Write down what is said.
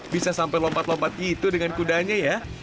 bisa sampai lompat lompat gitu dengan kudanya ya